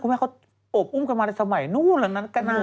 คุณใหม่เขาอบอุ้มกันมาในสมัยนู่นหรือนั้นก็นาน